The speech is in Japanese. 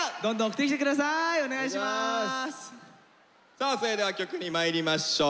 さあそれでは曲にまいりましょう。